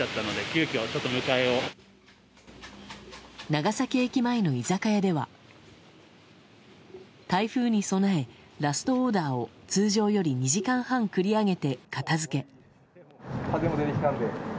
長崎駅前の居酒屋では台風に備えラストオーダーを通常より２時間半繰り上げて片付け。